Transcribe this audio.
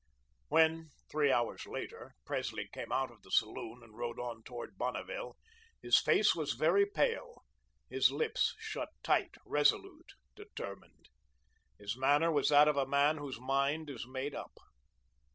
When, three hours later, Presley came out of the saloon and rode on towards Bonneville, his face was very pale, his lips shut tight, resolute, determined. His manner was that of a man whose mind is made up.